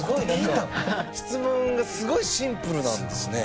質問がすごいシンプルなんですね。